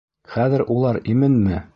Хәҙер улар именме?